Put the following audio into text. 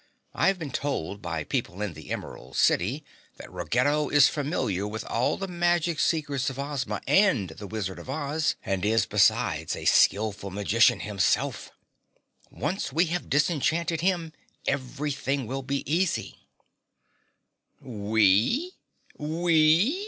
I have been told by people in the Emerald City that Ruggedo is familiar with all the magic secrets of Ozma and the Wizard of Oz, and is, besides, a skilful magician himself. Once we have disenchanted him, everything will be easy." "We? We?"